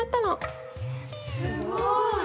すごい。